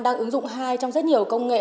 đang ứng dụng hai trong rất nhiều công nghệ